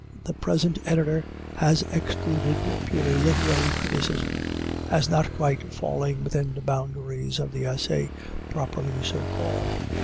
The present editor has excluded purely literary criticism, as not quite falling within the boundaries of the essay, properly so called.